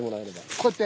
こうやって？